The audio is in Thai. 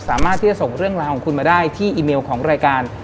สามารถที่จะส่งเรื่องราวของคุณมาได้ที่อีเมลของรายการ